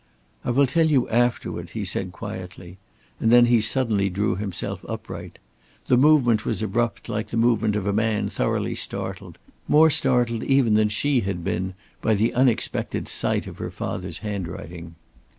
"I will tell you afterward," he said, quietly, and then he suddenly drew himself upright. The movement was abrupt like the movement of a man thoroughly startled more startled even than she had been by the unexpected sight of her father's handwriting.